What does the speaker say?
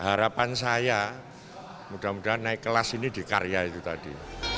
harapan saya mudah mudahan naik kelas ini di karya itu tadi